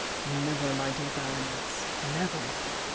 * "Never, my dear Baroness!— never!"